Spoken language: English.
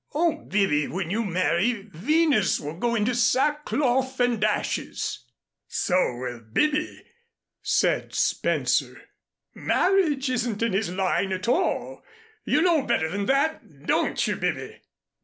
Oh, Bibby, when you marry, Venus will go into sackcloth and ashes!" "So will Bibby," said Spencer. "Marriage isn't his line at all. You know better than that, don't you, Bibby.